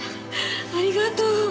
ありがとう。